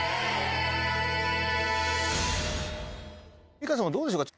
美香さんはどうでしょうか？